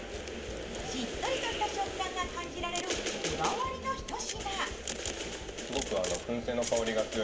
しっとりとした食感が感じられるこだわりの一品。